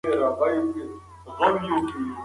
آنلاین مواد ستا پوهه زیاتوي.